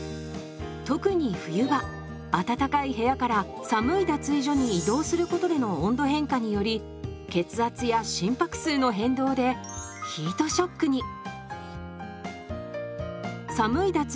特に冬場暖かい部屋から寒い脱衣所に移動することでの温度変化により血圧や心拍数の変動でヒートショックに。